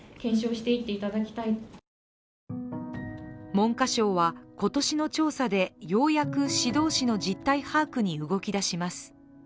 文科省は、今年の調査でようやく指導死の実態把握に動き出します。